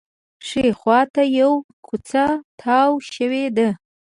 ښي خوا ته یوه کوڅه تاوه شوې ده.